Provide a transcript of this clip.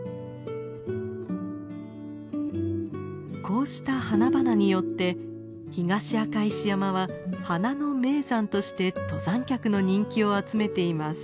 こうした花々によって東赤石山は花の名山として登山客の人気を集めています。